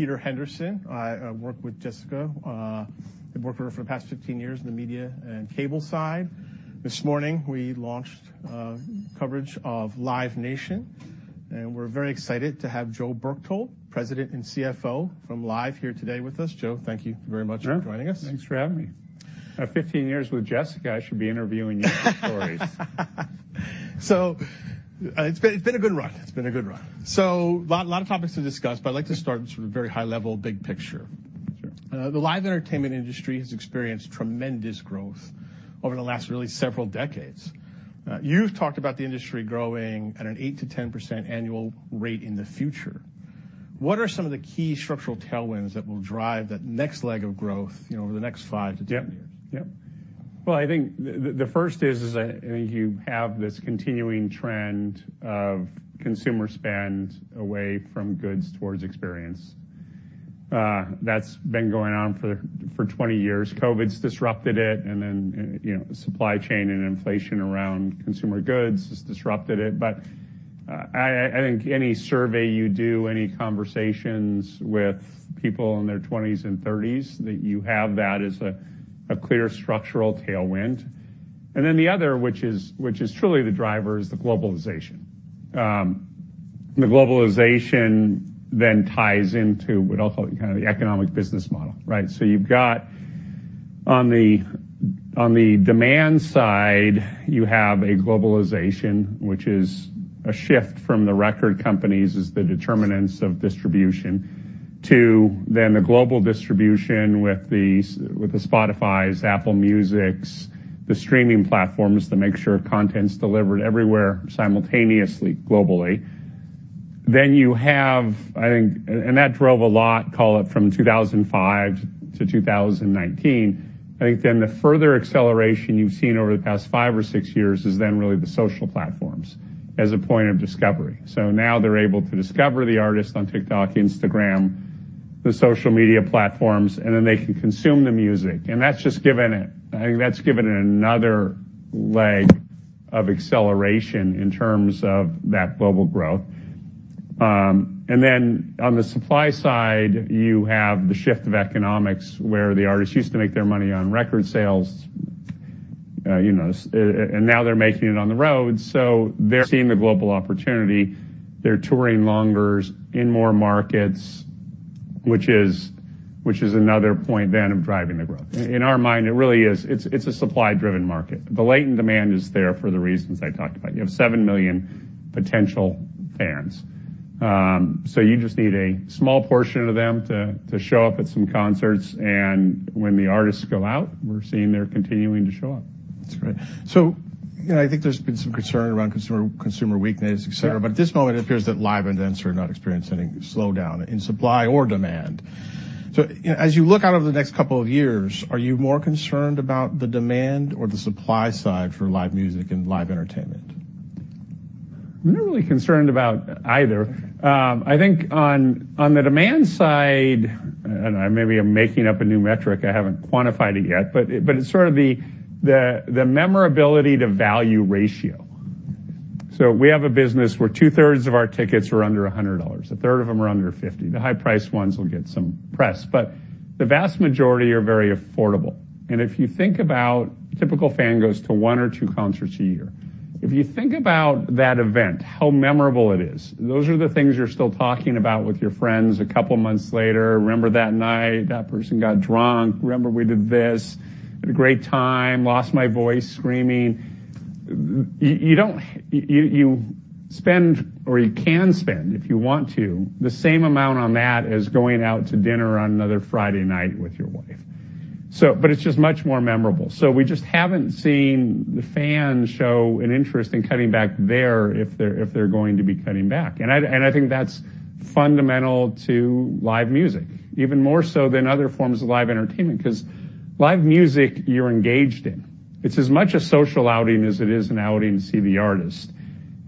Peter Henderson. I work with Jessica. I've worked with her for the past fifteen years in the media and cable side. This morning, we launched coverage of Live Nation, and we're very excited to have Joe Berchtold, President and CFO from Live Nation, here today with us. Joe, thank you very much for joining us. Sure. Thanks for having me. 15 years with Jessica, I should be interviewing you for stories. So, it's been a good run. It's been a good run. So a lot of topics to discuss, but I'd like to start from a very high level, big picture. Sure. The live entertainment industry has experienced tremendous growth over the last, really, several decades. You've talked about the industry growing at an eight to 10% annual rate in the future. What are some of the key structural tailwinds that will drive that next leg of growth, you know, over the next five to 10 years? Yep, yep. Well, I think the first is, I think you have this continuing trend of consumer spend away from goods towards experience. That's been going on for twenty years. COVID's disrupted it, and then, you know, supply chain and inflation around consumer goods has disrupted it. But, I think any survey you do, any conversations with people in their twenties and thirties, that you have that as a clear structural tailwind. And then the other, which is truly the driver, is the globalization. The globalization then ties into what I'll call kind of the economic business model, right? So you've got, on the demand side, you have a globalization, which is a shift from the record companies as the determinants of distribution, to then the global distribution with the Spotifys, Apple Musics, the streaming platforms that make sure content's delivered everywhere simultaneously, globally. Then you have, I think... And that drove a lot, call it from 2005-2019. I think then the further acceleration you've seen over the past five or six years is then really the social platforms as a point of discovery. So now they're able to discover the artist on TikTok, Instagram, the social media platforms, and then they can consume the music, and that's just given it. I think that's given it another leg of acceleration in terms of that global growth. And then on the supply side, you have the shift of economics, where the artists used to make their money on record sales, you know, and now they're making it on the road, so they're seeing the global opportunity. They're touring longer, in more markets, which is another point then of driving the growth. In our mind, it really is a supply-driven market. The latent demand is there for the reasons I talked about. You have seven million potential fans. So you just need a small portion of them to show up at some concerts, and when the artists go out, we're seeing they're continuing to show up. That's right, so you know, I think there's been some concern around consumer weakness, et cetera. Yeah... but at this moment, it appears that live events are not experiencing any slowdown in supply or demand. So, you know, as you look out over the next couple of years, are you more concerned about the demand or the supply side for live music and live entertainment? I'm not really concerned about either. I think on the demand side, and I maybe am making up a new metric, I haven't quantified it yet, but it's sort of the memorability-to-value ratio. So we have a business where two-thirds of our tickets are under $100. A third of them are under $50. The high-priced ones will get some press, but the vast majority are very affordable. And if you think about typical fan goes to one or two concerts a year. If you think about that event, how memorable it is, those are the things you're still talking about with your friends a couple months later: "Remember that night? That person got drunk. Remember we did this? Had a great time. Lost my voice screaming." You don't... You spend, or you can spend, if you want to, the same amount on that as going out to dinner on another Friday night with your wife. But it's just much more memorable. We just haven't seen the fans show an interest in cutting back there if they're going to be cutting back. I think that's fundamental to live music, even more so than other forms of live entertainment, 'cause live music, you're engaged in. It's as much a social outing as it is an outing to see the artist,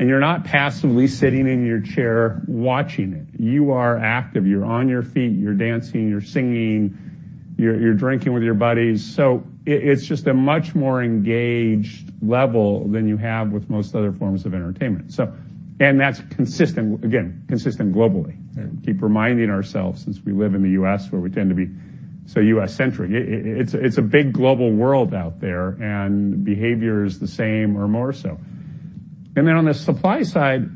and you're not passively sitting in your chair watching it. You are active. You're on your feet, you're dancing, you're singing, you're drinking with your buddies. It's just a much more engaged level than you have with most other forms of entertainment. That's consistent, again, consistent globally. Yeah. Keep reminding ourselves, since we live in the U.S., where we tend to be so U.S.-centric. It's a big global world out there, and behavior is the same or more so. And then on the supply side,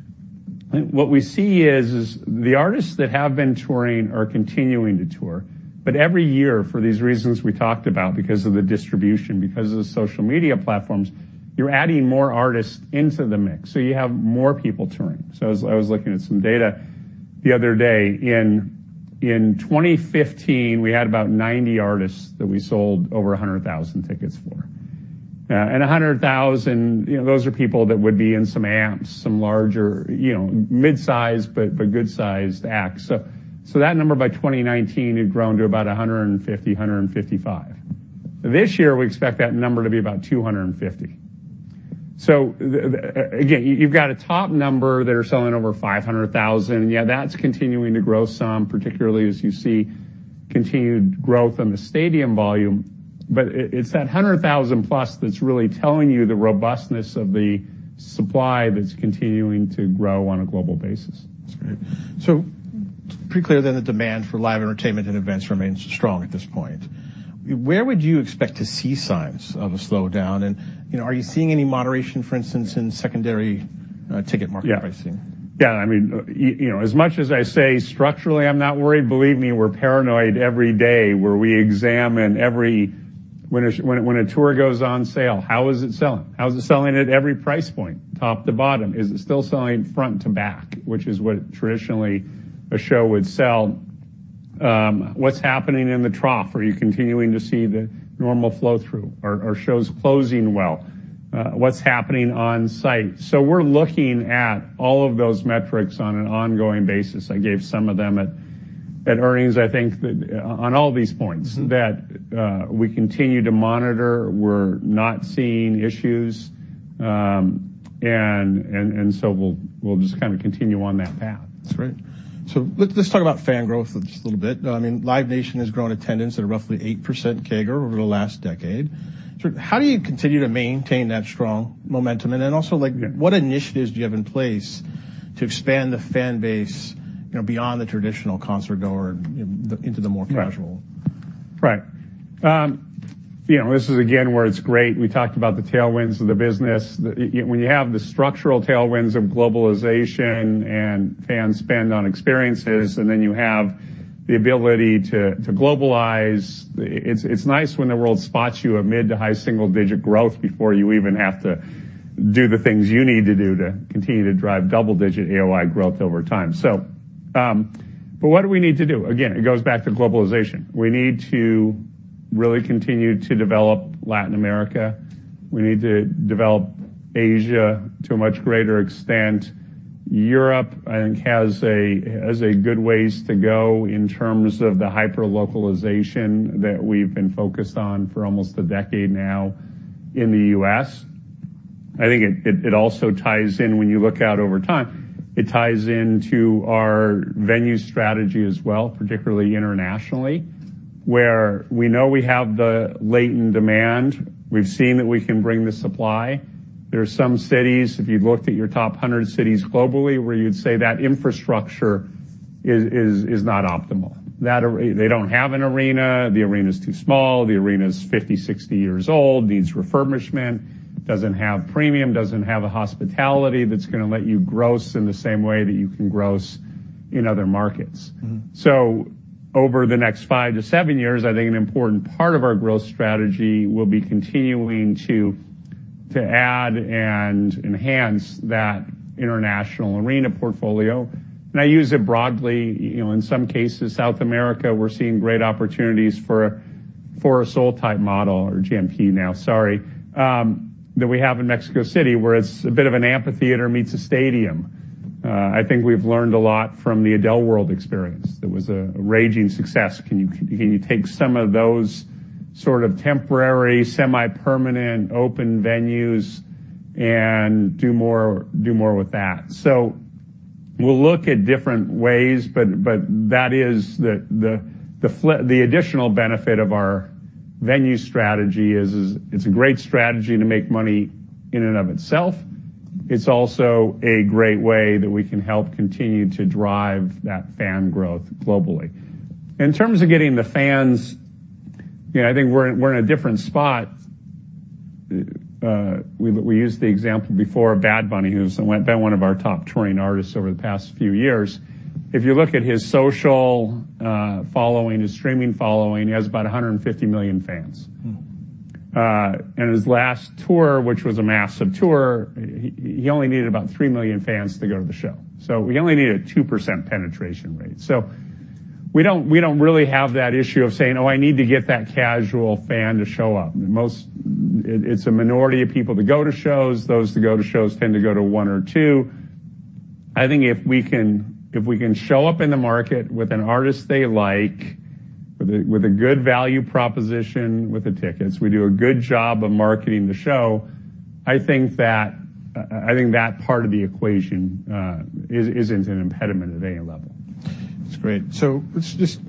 I think what we see is the artists that have been touring are continuing to tour, but every year, for these reasons we talked about, because of the distribution, because of the social media platforms, you're adding more artists into the mix, so you have more people touring. So I was looking at some data the other day. In 2015, we had about 90 artists that we sold over 100,000 tickets for. And 100,000, you know, those are people that would be in some amps, some larger, you know, mid-sized, but good-sized acts. So that number by 2019 had grown to about 150, 155. This year, we expect that number to be about 250. So again, you've got a top number that are selling over 500,000, and yeah, that's continuing to grow some, particularly as you see continued growth in the stadium volume, but it's that hundred thousand plus that's really telling you the robustness of the supply that's continuing to grow on a global basis. That's great. So pretty clear then, the demand for live entertainment and events remains strong at this point. Where would you expect to see signs of a slowdown? And, you know, are you seeing any moderation, for instance, in secondary ticket market pricing? Yeah. Yeah, I mean, you know, as much as I say structurally, I'm not worried, believe me, we're paranoid every day, when a tour goes on sale, how is it selling? How is it selling at every price point, top to bottom? Is it still selling front to back, which is what traditionally a show would sell? What's happening in the trough? Are you continuing to see the normal flow-through? Are shows closing well? What's happening on site? So we're looking at all of those metrics on an ongoing basis. I gave some of them at earnings. I think that on all these points, we continue to monitor. We're not seeing issues, and so we'll just kind of continue on that path. That's great. So let's talk about fan growth just a little bit. I mean, Live Nation has grown attendance at a roughly 8% CAGR over the last decade. So how do you continue to maintain that strong momentum? And then also, like, what initiatives do you have in place to expand the fan base, you know, beyond the traditional concertgoer into the more casual? Right. You know, this is again, where it's great. We talked about the tailwinds of the business. When you have the structural tailwinds of globalization and fan spend on experiences, and then you have the ability to globalize, it's nice when the world spots you a mid- to high single-digit growth before you even have to do the things you need to do to continue to drive double-digit AOI growth over time. So, but what do we need to do? Again, it goes back to globalization. We need to really continue to develop Latin America. We need to develop Asia to a much greater extent. Europe, I think, has a good ways to go in terms of the hyper-localization that we've been focused on for almost a decade now in the U.S. I think it also ties in when you look out over time. It ties into our venue strategy as well, particularly internationally, where we know we have the latent demand. We've seen that we can bring the supply. There are some cities, if you looked at your top 100 cities globally, where you'd say that infrastructure is not optimal, that they don't have an arena, the arena's too small, the arena's 50, 60 years old, needs refurbishment, doesn't have premium, doesn't have a hospitality that's gonna let you gross in the same way that you can gross in other markets. Mm-hmm. So over the next five to seven years, I think an important part of our growth strategy will be continuing to add and enhance that international arena portfolio. And I use it broadly. You know, in some cases, South America, we're seeing great opportunities for a Sol-type model, or GNP now, sorry, that we have in Mexico City, where it's a bit of an amphitheater meets a stadium. I think we've learned a lot from the Adele World experience. That was a raging success. Can you take some of those sort of temporary, semi-permanent, open venues and do more with that? So we'll look at different ways, but that is the additional benefit of our venue strategy is it's a great strategy to make money in and of itself. It's also a great way that we can help continue to drive that fan growth globally. In terms of getting the fans, you know, I think we're in a different spot. We used the example before of Bad Bunny, who's been one of our top touring artists over the past few years. If you look at his social following, his streaming following, he has about 150 million fans. Mm. And his last tour, which was a massive tour, he only needed about three million fans to go to the show, so he only needed a 2% penetration rate. So we don't really have that issue of saying: Oh, I need to get that casual fan to show up. It's a minority of people that go to shows. Those that go to shows tend to go to one or two. I think if we can show up in the market with an artist they like, with a good value proposition with the tickets, we do a good job of marketing the show. I think that part of the equation is an impediment at any level. That's great. So let's just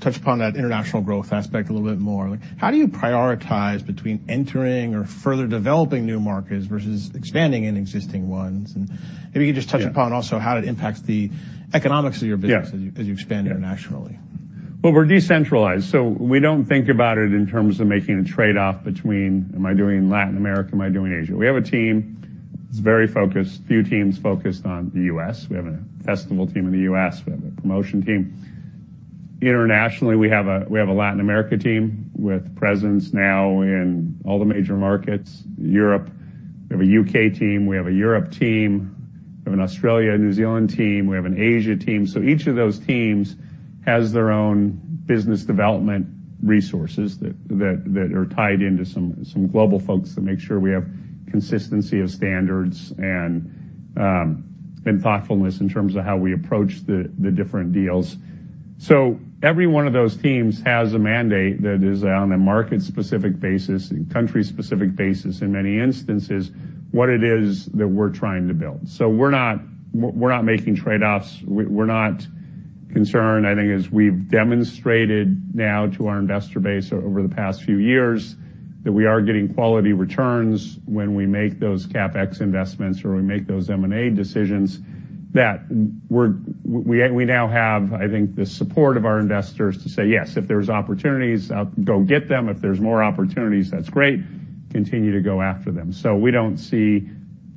touch upon that international growth aspect a little bit more. Like, how do you prioritize between entering or further developing new markets versus expanding in existing ones? And maybe you just touch upon also how it impacts the economics of your business. Yeah as you expand internationally. We're decentralized, so we don't think about it in terms of making a trade-off between, am I doing Latin America? Am I doing Asia? We have a team that's very focused, a few teams focused on the U.S. We have a festival team in the U.S. We have a promotion team. Internationally, we have a Latin America team, with presence now in all the major markets. Europe, we have a U.K. team. We have a Europe team. We have an Australia-New Zealand team. We have an Asia team. So each of those teams has their own business development resources that are tied into some global folks to make sure we have consistency of standards and thoughtfulness in terms of how we approach the different deals. Every one of those teams has a mandate that is on a market-specific basis and country-specific basis, in many instances, what it is that we're trying to build. We're not making trade-offs. No concern, I think, as we've demonstrated now to our investor base over the past few years, that we are getting quality returns when we make those CapEx investments or we make those M&A decisions, that we now have, I think, the support of our investors to say, "Yes, if there's opportunities, go get them. If there's more opportunities, that's great, continue to go after them." We don't see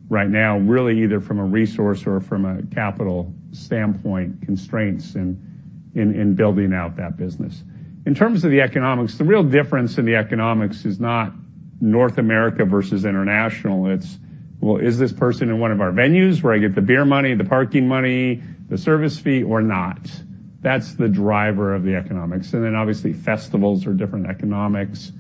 right now, really, either from a resource or from a capital standpoint, constraints in building out that business. In terms of the economics, the real difference in the economics is not North America versus international. It's, well, is this person in one of our venues where I get the beer money, the parking money, the service fee, or not? That's the driver of the economics. And then, obviously, festivals are different economics.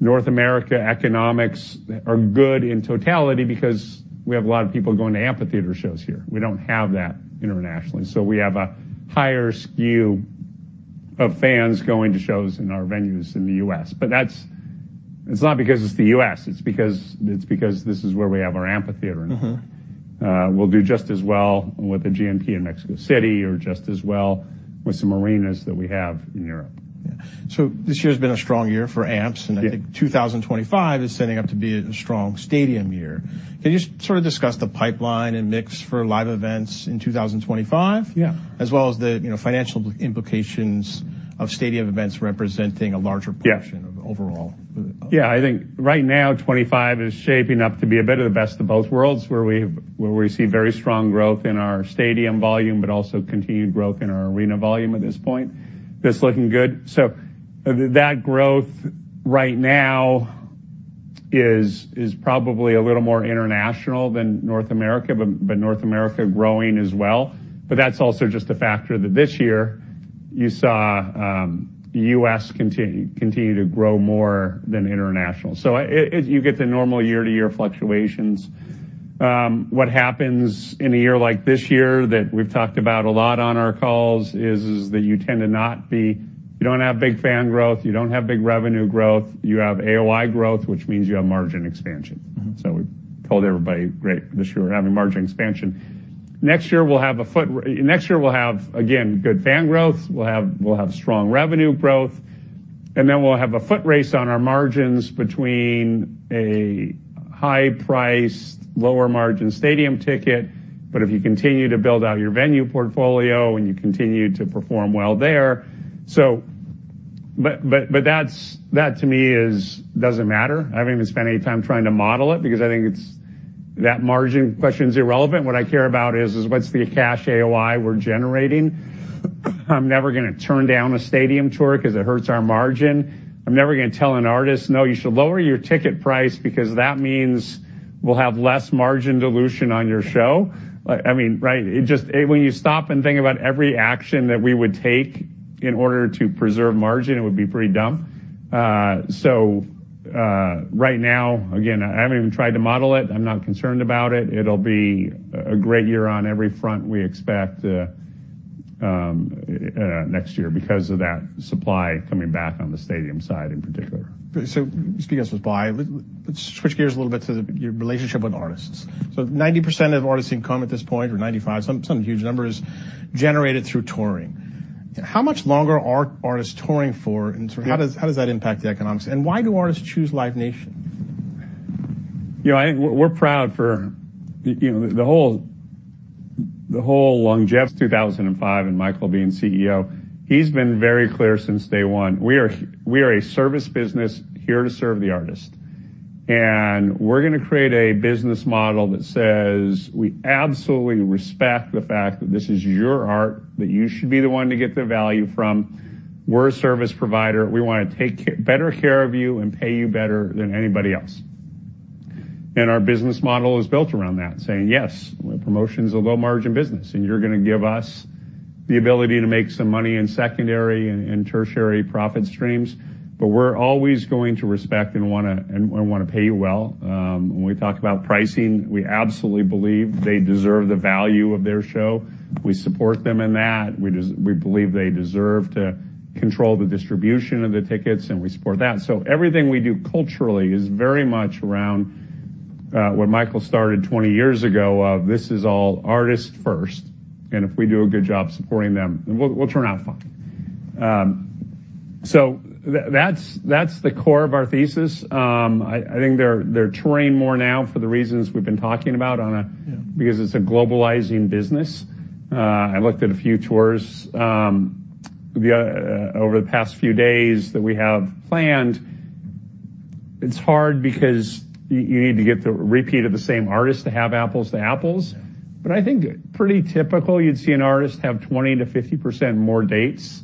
North America economics are good in totality because we have a lot of people going to amphitheater shows here. We don't have that internationally, so we have a higher skew of fans going to shows in our venues in the U.S. But that's, it's not because it's the U.S., it's because this is where we have our amphitheater. Mm-hmm. We'll do just as well with a GNP in Mexico City or just as well with some arenas that we have in Europe. This year's been a strong year for amps. Yeah. And I think 2025 is setting up to be a strong stadium year. Can you just sort of discuss the pipeline and mix for live events in 2025? Yeah. As well as the, you know, financial implications of stadium events representing a larger- Yeah... portion of overall? Yeah, I think right now, 25 is shaping up to be a bit of the best of both worlds, where we see very strong growth in our stadium volume, but also continued growth in our arena volume at this point. That's looking good. So that growth right now is probably a little more international than North America, but North America growing as well. But that's also just a factor that this year you saw U.S. continue to grow more than international. So as you get the normal year-to-year fluctuations, what happens in a year like this year, that we've talked about a lot on our calls, is that you tend to not be, you don't have big fan growth, you don't have big revenue growth. You have AOI growth, which means you have margin expansion. Mm-hmm. So we've told everybody, great, this year we're having margin expansion. Next year, we'll have, again, good fan growth, we'll have strong revenue growth, and then we'll have a foot race on our margins between a high-priced, lower-margin stadium ticket. But if you continue to build out your venue portfolio, and you continue to perform well there. So, but that's, that to me is, doesn't matter. I haven't even spent any time trying to model it, because I think it's, that margin question is irrelevant. What I care about is what's the cash AOI we're generating? I'm never gonna turn down a stadium tour 'cause it hurts our margin. I'm never gonna tell an artist, "No, you should lower your ticket price, because that means we'll have less margin dilution on your show." I mean, right, it just. When you stop and think about every action that we would take in order to preserve margin, it would be pretty dumb. So, right now, again, I haven't even tried to model it. I'm not concerned about it. It'll be a great year on every front, we expect, next year, because of that supply coming back on the stadium side in particular. So just because it's live, let's switch gears a little bit to your relationship with artists. 90% of artists' income at this point, or 95%, some huge number, is generated through touring. How much longer are artists touring for, and sort of how does that impact the economics, and why do artists choose Live Nation? You know, I think we're proud of, you know, the whole longevity since 2005, and Michael being CEO, he's been very clear since day one: we are a service business here to serve the artist, and we're gonna create a business model that says, "We absolutely respect the fact that this is your art, that you should be the one to get the value from. We're a service provider. We wanna take better care of you and pay you better than anybody else." And our business model is built around that, saying, "Yes, promotion's a low-margin business, and you're gonna give us the ability to make some money in secondary and tertiary profit streams, but we're always going to respect and wanna pay you well." When we talk about pricing, we absolutely believe they deserve the value of their show. We support them in that. We believe they deserve to control the distribution of the tickets, and we support that. So everything we do culturally is very much around where Michael started 20 years ago, of this is all artist first, and if we do a good job supporting them, we'll turn out fine. So that's the core of our thesis. I think they're touring more now for the reasons we've been talking about on a- Yeah... because it's a globalizing business. I looked at a few tours over the past few days that we have planned. It's hard because you need to get the repeat of the same artist to have apples to apples. Yeah. But I think pretty typical, you'd see an artist have 20%-50% more dates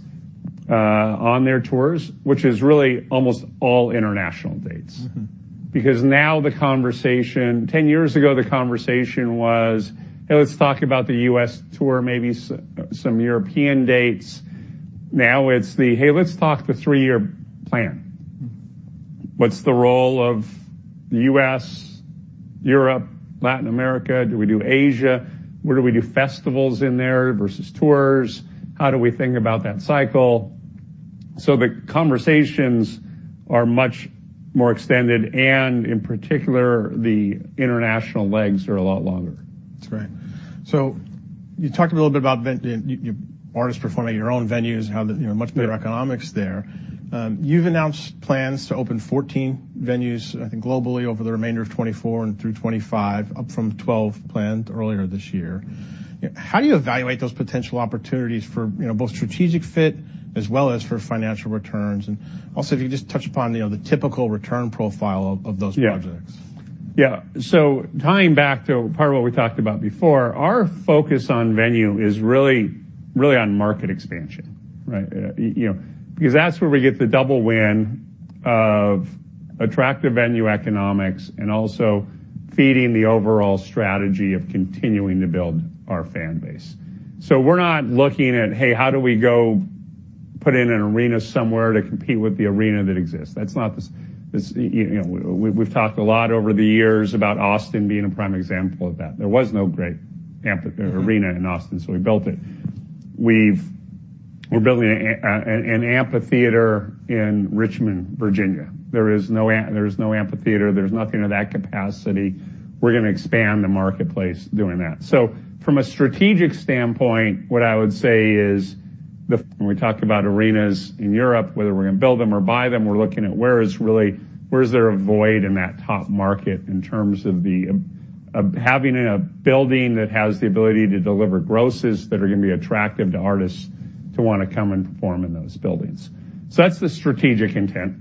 on their tours, which is really almost all international dates. Mm-hmm. Because now the conversation. Ten years ago, the conversation was, "Hey, let's talk about the U.S. tour, maybe some European dates." Now, it's the: "Hey, let's talk the three-year plan. What's the role of the U.S., Europe, Latin America? Do we do Asia? Where do we do festivals in there versus tours? How do we think about that cycle?" So the conversations are much more extended, and in particular, the international legs are a lot longer. That's right. So you talked a little bit about artists performing at your own venues, how the, you know, much better economics there. You've announced plans to open 14 venues, I think, globally over the remainder of 2024 and through 2025, up from 12 planned earlier this year. How do you evaluate those potential opportunities for, you know, both strategic fit as well as for financial returns? And also, if you could just touch upon, you know, the typical return profile of those projects. Yeah. Yeah, so tying back to part of what we talked about before, our focus on venue is really, really on market expansion, right? You know, because that's where we get the double win of attractive venue economics and also feeding the overall strategy of continuing to build our fan base. So we're not looking at, "Hey, how do we go put in an arena somewhere to compete with the arena that exists?" That's not the you know, we've talked a lot over the years about Austin being a prime example of that. There was no great amphitheater in Austin, so we built it. We're building an amphitheater in Richmond, Virginia. There is no amphitheater. There's nothing of that capacity. We're gonna expand the marketplace doing that. So from a strategic standpoint, what I would say is, when we talk about arenas in Europe, whether we're gonna build them or buy them, we're looking at where there is really a void in that top market in terms of having a building that has the ability to deliver grosses that are gonna be attractive to artists to want to come and perform in those buildings. So that's the strategic intent.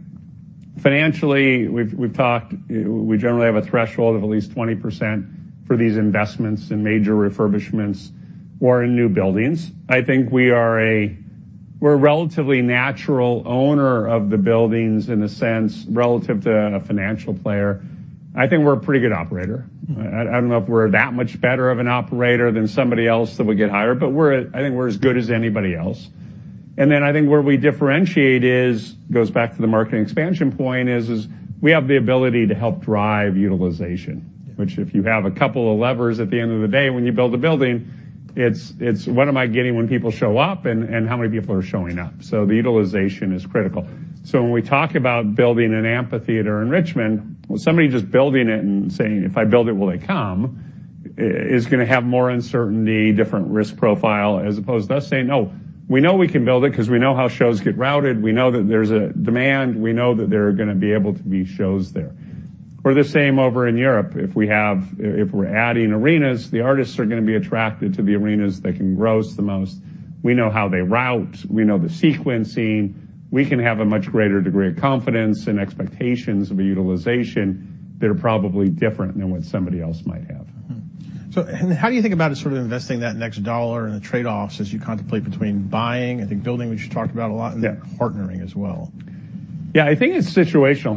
Financially, we've talked. We generally have a threshold of at least 20% for these investments in major refurbishments or in new buildings. I think we're a relatively natural owner of the buildings in a sense, relative to a financial player. I think we're a pretty good operator. I don't know if we're that much better of an operator than somebody else that we get hired, but I think we're as good as anybody else, and then I think where we differentiate is, goes back to the market expansion point, is we have the ability to help drive utilization, which if you have a couple of levers at the end of the day, when you build a building, it's what am I getting when people show up, and how many people are showing up, so the utilization is critical, so when we talk about building an amphitheater in Richmond, well, somebody just building it and saying, "If I build it, will they come?" is gonna have more uncertainty, different risk profile, as opposed to us saying, "No, we know we can build it because we know how shows get routed. We know that there's a demand. We know that there are gonna be able to be shows there." Or the same over in Europe. If we have, if we're adding arenas, the artists are gonna be attracted to the arenas that can gross the most. We know how they route. We know the sequencing. We can have a much greater degree of confidence and expectations of a utilization that are probably different than what somebody else might have. Mm-hmm. So and how do you think about sort of investing that next dollar and the trade-offs as you contemplate between buying, I think building, which you talked about a lot- Yeah. And then partnering as well? Yeah, I think it's situational.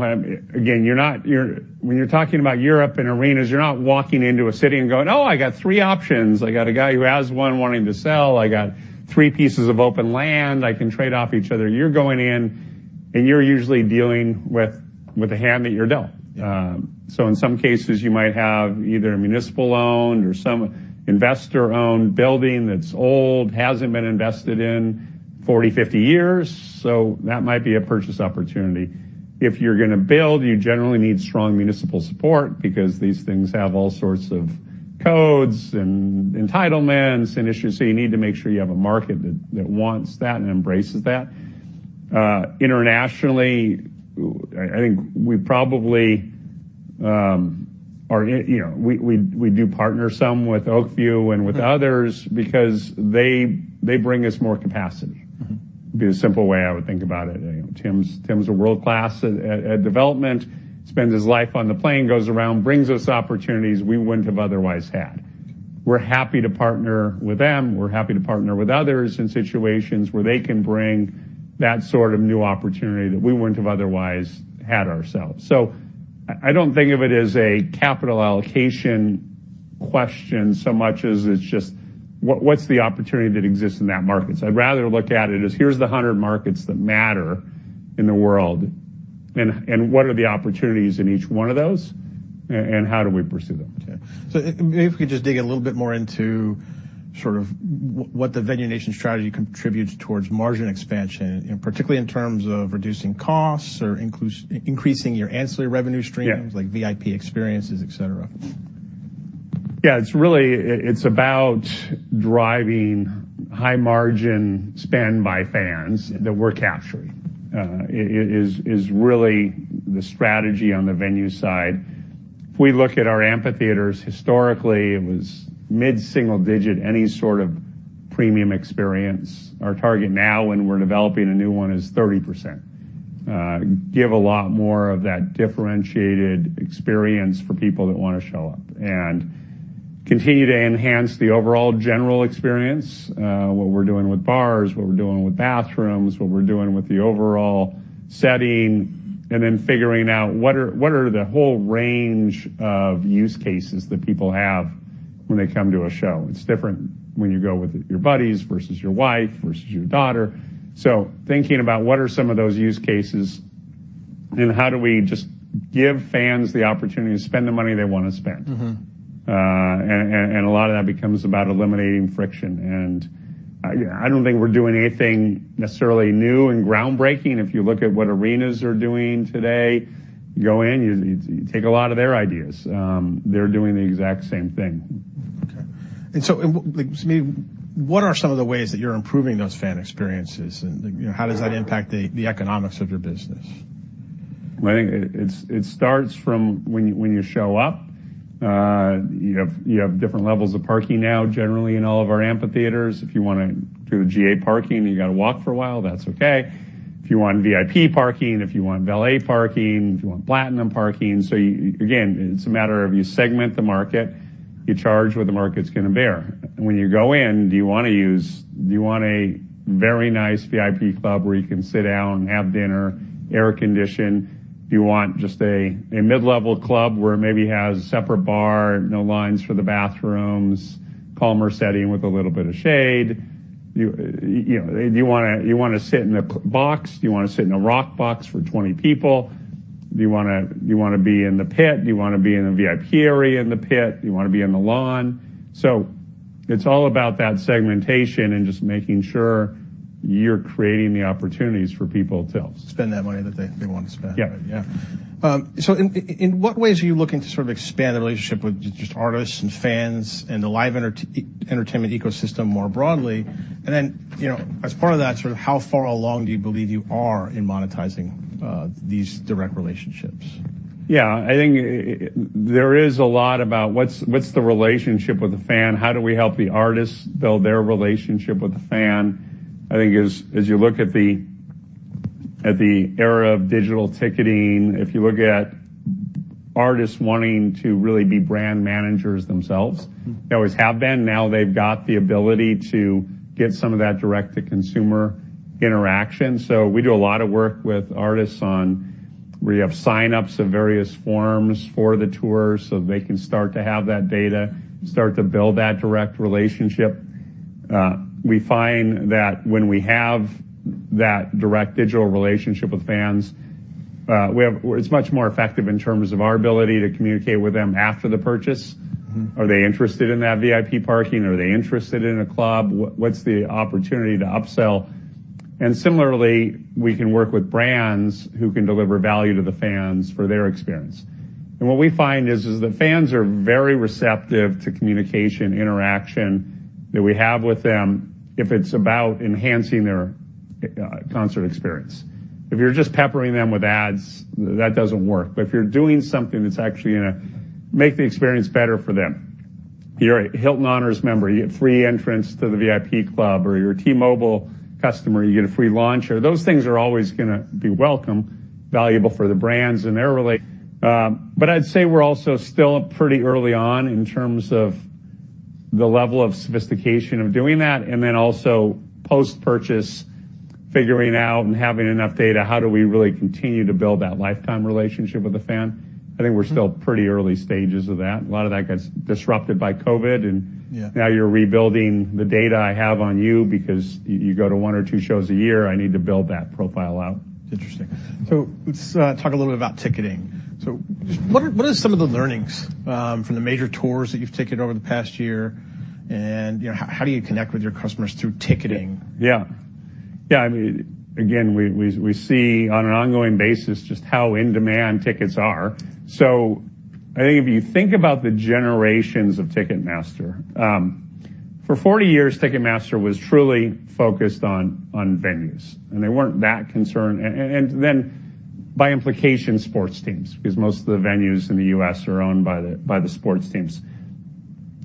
Again, you're not. When you're talking about Europe and arenas, you're not walking into a city and going, "Oh, I got three options. I got a guy who has one wanting to sell. I got three pieces of open land I can trade off each other." You're going in, and you're usually dealing with the hand that you're dealt. So in some cases, you might have either a municipal-owned or some investor-owned building that's old, hasn't been invested in 40, 50 years, so that might be a purchase opportunity. If you're gonna build, you generally need strong municipal support because these things have all sorts of codes and entitlements and issues, so you need to make sure you have a market that wants that and embraces that. Internationally, I think we probably are, you know, we do partner some with Oak View and with others because they bring us more capacity. Mm-hmm. It's a simple way I would think about it. Tim's a world-class at development, spends his life on the plane, goes around, brings us opportunities we wouldn't have otherwise had. We're happy to partner with them. We're happy to partner with others in situations where they can bring that sort of new opportunity that we wouldn't have otherwise had ourselves. I don't think of it as a capital allocation question so much as it's just what's the opportunity that exists in that market. I'd rather look at it as, here's the hundred markets that matter in the world, and what are the opportunities in each one of those, and how do we pursue them? Okay. So if we could just dig a little bit more into sort of what the Venue Nation strategy contributes towards margin expansion, and particularly in terms of reducing costs or increasing your ancillary revenue streams. Yeah. -like VIP experiences, et cetera. Yeah, it's really about driving high-margin spend by fans that we're capturing is really the strategy on the venue side. If we look at our amphitheaters historically, it was mid-single digit any sort of premium experience. Our target now, when we're developing a new one, is 30%. Give a lot more of that differentiated experience for people that wanna show up, and continue to enhance the overall general experience, what we're doing with bars, what we're doing with bathrooms, what we're doing with the overall setting, and then figuring out what are the whole range of use cases that people have when they come to a show. It's different when you go with your buddies versus your wife versus your daughter, so thinking about what are some of those use cases... How do we just give fans the opportunity to spend the money they wanna spend? Mm-hmm. A lot of that becomes about eliminating friction, and yeah, I don't think we're doing anything necessarily new and groundbreaking. If you look at what arenas are doing today, you go in, you take a lot of their ideas. They're doing the exact same thing. Okay, and so, like, to me, what are some of the ways that you're improving those fan experiences, and, you know, how does that impact the economics of your business? I think it starts from when you show up. You have different levels of parking now, generally, in all of our amphitheaters. If you wanna do the GA parking, you gotta walk for a while, that's okay. If you want VIP parking, if you want valet parking, if you want platinum parking. So, again, it's a matter of you segment the market, you charge what the market's gonna bear. When you go in, do you want a very nice VIP club where you can sit down, have dinner, air-conditioned? Do you want just a mid-level club, where it maybe has a separate bar, no lines for the bathrooms, calmer setting with a little bit of shade? You know, do you wanna sit in a Rock Box? Do you wanna sit in a Rock Box for 20 people? Do you wanna, do you wanna be in the pit? Do you wanna be in a VIP area in the pit? Do you wanna be on the lawn? So it's all about that segmentation and just making sure you're creating the opportunities for people to- Spend that money that they, they wanna spend. Yeah. Yeah. So in what ways are you looking to sort of expand the relationship with just artists and fans and the live entertainment ecosystem more broadly? And then, you know, as part of that, sort of how far along do you believe you are in monetizing these direct relationships? Yeah, I think there is a lot about what's the relationship with the fan? How do we help the artists build their relationship with the fan? I think as you look at the era of digital ticketing, if you look at artists wanting to really be brand managers themselves. They always have been, now they've got the ability to get some of that direct-to-consumer interaction. So we do a lot of work with artists on, we have signups of various forms for the tour, so they can start to have that data, start to build that direct relationship. We find that when we have that direct digital relationship with fans, it's much more effective in terms of our ability to communicate with them after the purchase. Mm-hmm. Are they interested in that VIP parking? Are they interested in a club? What's the opportunity to upsell? And similarly, we can work with brands who can deliver value to the fans for their experience. And what we find is the fans are very receptive to communication, interaction that we have with them if it's about enhancing their concert experience. If you're just peppering them with ads, that doesn't work, but if you're doing something that's actually gonna make the experience better for them, you're a Hilton Honors member, you get free entrance to the VIP club, or you're a T-Mobile customer, you get a free lunch, or... Those things are always gonna be welcome, valuable for the brands, and they're really... But I'd say we're also still pretty early on in terms of the level of sophistication of doing that, and then also post-purchase, figuring out and having enough data, how do we really continue to build that lifetime relationship with the fan? Mm-hmm. I think we're still pretty early stages of that. A lot of that gets disrupted by COVID, and- Yeah... now you're rebuilding the data I have on you, because you go to one or two shows a year. I need to build that profile out. Interesting. Let's talk a little bit about ticketing. Just what are some of the learnings from the major tours that you've ticketed over the past year, and, you know, how do you connect with your customers through ticketing? Yeah. Yeah, I mean, again, we see on an ongoing basis just how in demand tickets are. So I think if you think about the generations of Ticketmaster, for 40 years, Ticketmaster was truly focused on venues, and they weren't that concerned... and then, by implication, sports teams, because most of the venues in the U.S. are owned by the sports teams.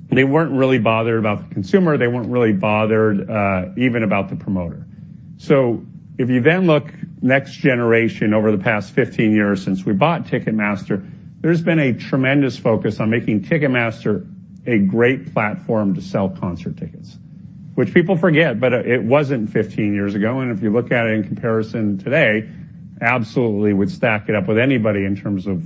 They weren't really bothered about the consumer, they weren't really bothered even about the promoter. So if you then look next generation, over the past 15 years since we bought Ticketmaster, there's been a tremendous focus on making Ticketmaster a great platform to sell concert tickets, which people forget, but it wasn't 15 years ago, and if you look at it in comparison today, absolutely would stack it up with anybody in terms of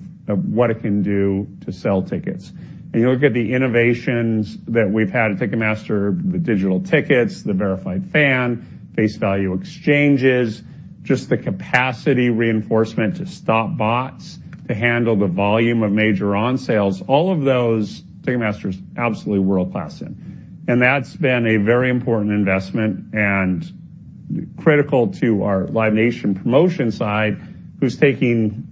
what it can do to sell tickets. And you look at the innovations that we've had at Ticketmaster, the digital tickets, the Verified Fan, Face Value Exchanges, just the capacity reinforcement to stop bots, to handle the volume of major on sales, all of those. Ticketmaster's absolutely world-class in. And that's been a very important investment and critical to our Live Nation promotion side, who's taking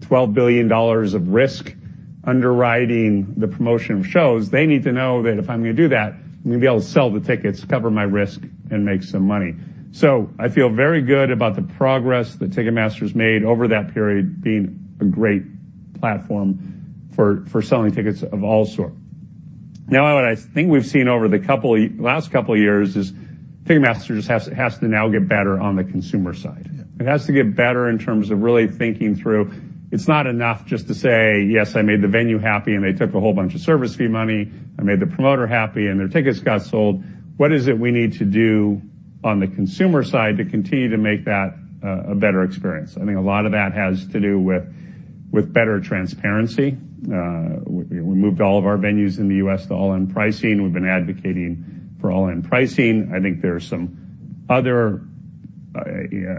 $12 billion of risk underwriting the promotion of shows. They need to know that if I'm gonna do that, I'm gonna be able to sell the tickets, cover my risk, and make some money. So I feel very good about the progress that Ticketmaster's made over that period, being a great platform for selling tickets of all sorts. Now, what I think we've seen over the last couple of years is Ticketmaster just has to now get better on the consumer side. Yeah. It has to get better in terms of really thinking through... It's not enough just to say, "Yes, I made the venue happy, and they took a whole bunch of service fee money. I made the promoter happy, and their tickets got sold." What is it we need to do on the consumer side to continue to make that a better experience? I think a lot of that has to do with better transparency. We moved all of our venues in the U.S. to all-in pricing. We've been advocating for all-in pricing. I think there are some other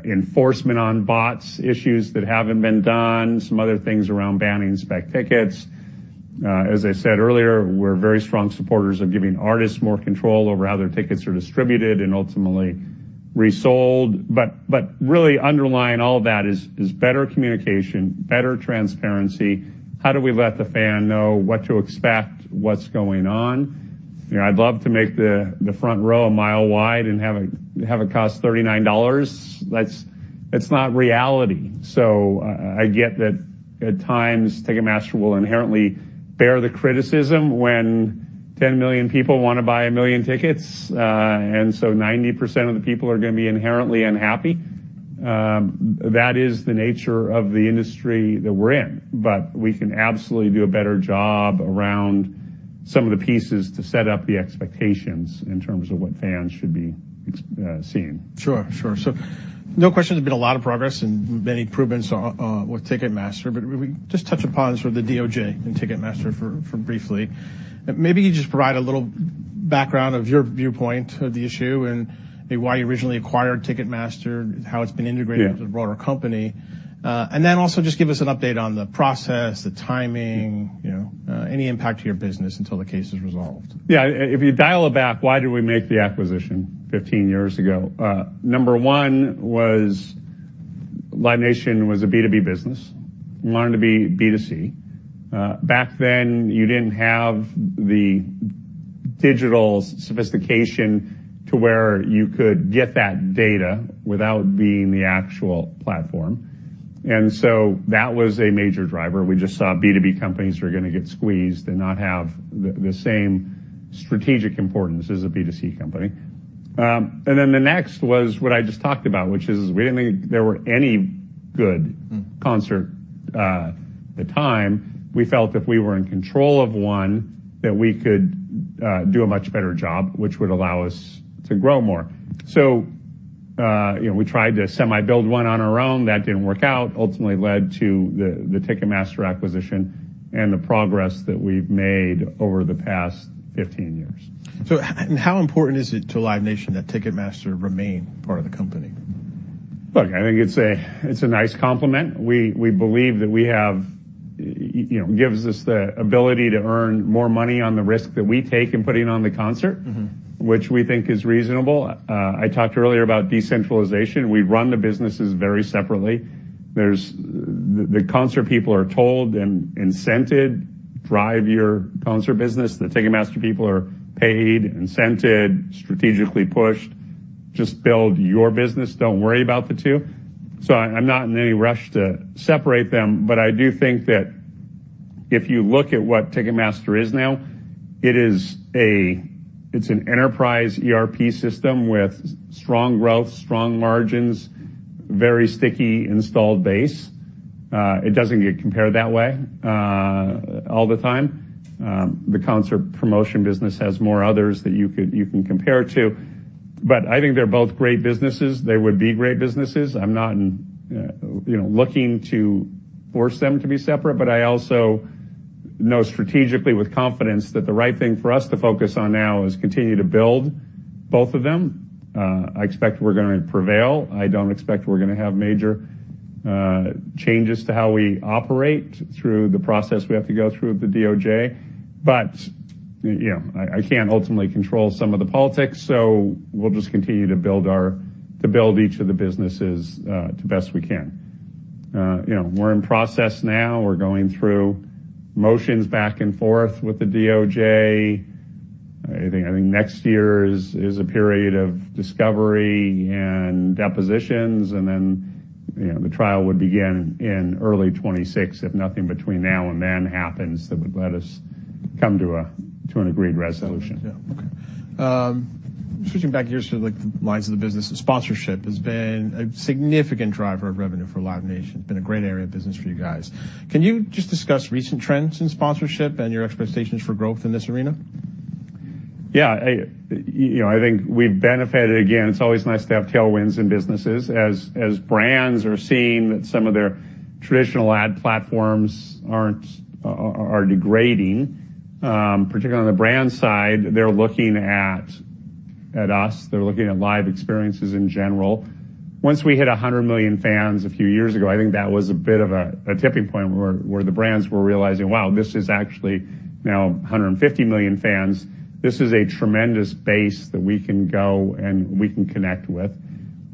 enforcement on bots issues that haven't been done, some other things around banning spec tickets. As I said earlier, we're very strong supporters of giving artists more control over how their tickets are distributed and ultimately resold. But really underlying all that is better communication, better transparency. How do we let the fan know what to expect, what's going on? You know, I'd love to make the front row a mile wide and have it cost $39. That's not reality. So I get that, at times, Ticketmaster will inherently bear the criticism when 10 million people wanna buy 1 million tickets, and so 90% of the people are gonna be inherently unhappy. That is the nature of the industry that we're in, but we can absolutely do a better job around some of the pieces to set up the expectations in terms of what fans should be experiencing. Sure, sure. So no question, there's been a lot of progress and many improvements on, with Ticketmaster, but just touch upon sort of the DOJ and Ticketmaster for briefly. Maybe you just provide a little background of your viewpoint of the issue and maybe why you originally acquired Ticketmaster, how it's been integrated- Yeah... into the broader company, and then also just give us an update on the process, the timing, you know, any impact to your business until the case is resolved. Yeah, if you dial it back, why did we make the acquisition fifteen years ago? Number one was Live Nation was a B2B business, wanted to be B2C. Back then, you didn't have the digital sophistication to where you could get that data without being the actual platform, and so that was a major driver. We just saw B2B companies were gonna get squeezed and not have the same strategic importance as a B2C company. And then the next was what I just talked about, which is we didn't think there were any good- Mm. -concert at the time. We felt if we were in control of one, that we could do a much better job, which would allow us to grow more. So, you know, we tried to semi-build one on our own. That didn't work out, ultimately led to the Ticketmaster acquisition and the progress that we've made over the past fifteen years. How important is it to Live Nation that Ticketmaster remain part of the company? Look, I think it's a nice compliment. We believe that we have... you know, gives us the ability to earn more money on the risk that we take in putting on the concert. Mm-hmm ... which we think is reasonable. I talked earlier about decentralization. We run the businesses very separately. The concert people are told and incented, "Drive your concert business." The Ticketmaster people are paid, incented, strategically pushed, "Just build your business. Don't worry about the two." So I, I'm not in any rush to separate them, but I do think that if you look at what Ticketmaster is now, it's an enterprise ERP system with strong growth, strong margins, very sticky installed base. It doesn't get compared that way all the time. The concert promotion business has more others that you can compare it to, but I think they're both great businesses. They would be great businesses. I'm not in, you know, looking to force them to be separate, but I also know strategically with confidence that the right thing for us to focus on now is continue to build both of them. I expect we're gonna prevail. I don't expect we're gonna have major changes to how we operate through the process we have to go through with the DOJ. But, you know, I can't ultimately control some of the politics, so we'll just continue to build each of the businesses the best we can. You know, we're in process now. We're going through motions back and forth with the DOJ. I think next year is a period of discovery and depositions, and then, you know, the trial would begin in early 2026, if nothing between now and then happens that would let us come to an agreed resolution. Yeah. Okay. Switching back here to, like, the lines of the business, sponsorship has been a significant driver of revenue for Live Nation. Been a great area of business for you guys. Can you just discuss recent trends in sponsorship and your expectations for growth in this arena? Yeah. You know, I think we've benefited. Again, it's always nice to have tailwinds in businesses. As brands are seeing that some of their traditional ad platforms aren't degrading, particularly on the brand side, they're looking at us. They're looking at live experiences in general. Once we hit one hundred million fans a few years ago, I think that was a bit of a tipping point, where the brands were realizing, "Wow, this is actually now one hundred and fifty million fans. This is a tremendous base that we can go and we can connect with."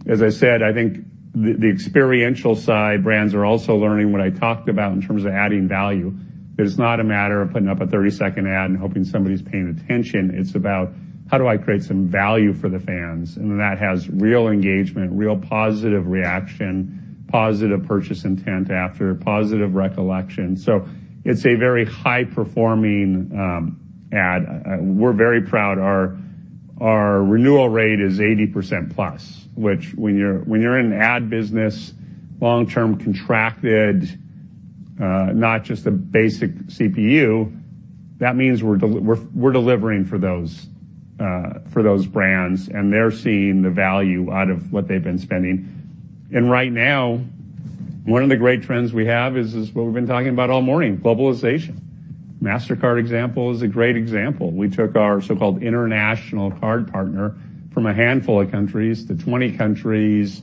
As I said, I think the experiential side, brands are also learning what I talked about in terms of adding value. It's not a matter of putting up a thirty-second ad and hoping somebody's paying attention. It's about how do I create some value for the fans and that has real engagement, real positive reaction, positive purchase intent after, positive recollection, so it's a very high-performing ad. We're very proud. Our renewal rate is 80% plus, which when you're in an ad business, long-term contracted, not just a basic CPU, that means we're delivering for those brands, and they're seeing the value out of what they've been spending, and right now, one of the great trends we have is this, what we've been talking about all morning, globalization. Mastercard example is a great example. We took our so-called international card partner from a handful of countries to 20 countries,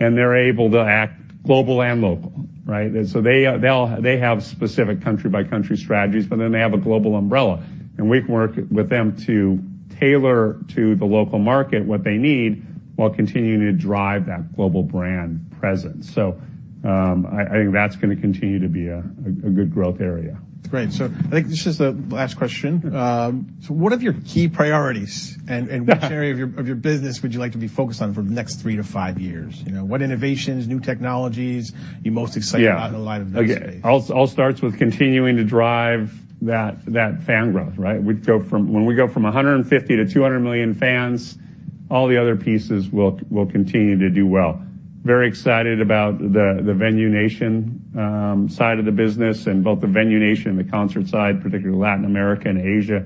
and they're able to act global and local, right? They have specific country-by-country strategies, but then they have a global umbrella, and we can work with them to tailor to the local market what they need, while continuing to drive that global brand presence. I think that's gonna continue to be a good growth area. Great. So I think this is the last question. So what are your key priorities? And which area of your business would you like to be focused on for the next three to five years? You know, what innovations, new technologies, you're most excited about- Yeah... in the live event space? Again, all starts with continuing to drive that fan growth, right? We'd go from... When we go from one hundred and fifty to two hundred million fans, all the other pieces will continue to do well. Very excited about the Venue Nation side of the business and both the Venue Nation and the concert side, particularly Latin America and Asia,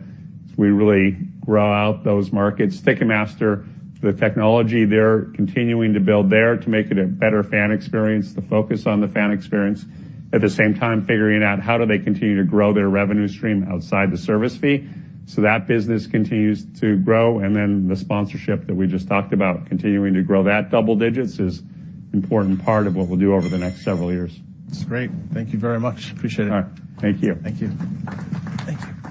as we really grow out those markets. Ticketmaster, the technology, they're continuing to build there to make it a better fan experience, the focus on the fan experience. At the same time, figuring out how do they continue to grow their revenue stream outside the service fee, so that business continues to grow. And then the sponsorship that we just talked about, continuing to grow that double digits is important part of what we'll do over the next several years. That's great. Thank you very much. Appreciate it. All right. Thank you. Thank you. Thank you.